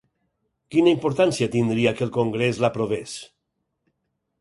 Quina importància tindria que el congrés l’aprovés?